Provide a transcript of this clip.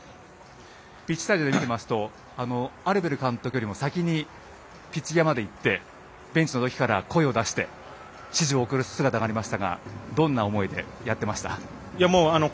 ピッチサイドで見ていますとアルベル監督よりも先にピッチ際まで行ってベンチの時から声を出して指示を送る姿がありましたがどんな思いでやっていましたか。